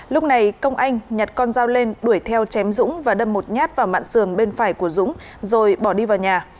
lúc này công anh nhặt con dao lên đuổi theo chém dũng và đâm một nhát vào mạng sườn bên phải của dũng rồi bỏ đi vào nhà